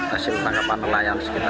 hasil tangkapan nelayan sekitar